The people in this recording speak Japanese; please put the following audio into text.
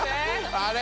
あれ？